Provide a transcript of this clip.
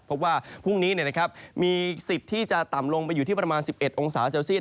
พบว่าพรุ่งนี้มีสิทธิ์ที่จะต่ำลงไปอยู่ที่ประมาณ๑๑องศาเซลเซียต